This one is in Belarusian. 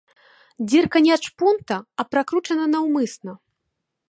Дзірка не ад шпунта, а пракручана наўмысна.